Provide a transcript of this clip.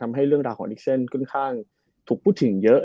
ทำให้เรื่องราวของขึ้นข้างถูกพูดถึงเยอะ